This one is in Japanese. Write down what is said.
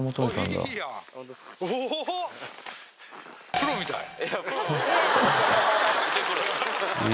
プロみたい。